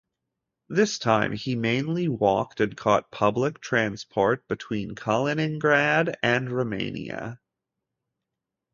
This time he mainly walked and caught public transport between Kaliningrad and Romania.